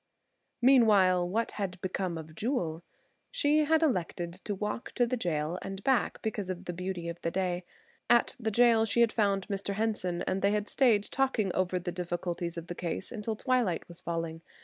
Meanwhile what had become of Jewel? She had elected to walk to the jail and back because of the beauty of the day. At the jail she found Mr. Henson, and they had stayed talking over the difficulties of the case until twilight was falling.